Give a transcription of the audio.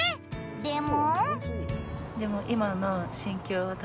でも。